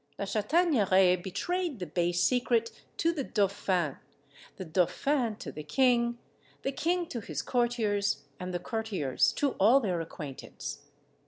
La Chataigneraie betrayed the base secret to the dauphin, the dauphin to the king, the king to his courtiers, and the courtiers to all their acquaintance.